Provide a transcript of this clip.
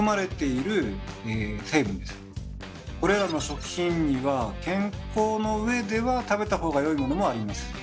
これらの食品には健康のうえでは食べた方が良いものもあります。